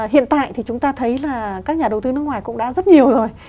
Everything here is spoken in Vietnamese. hiện tại thì chúng ta thấy là các nhà đầu tư nước ngoài cũng đã rất nhiều rồi